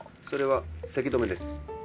それはせき止めです。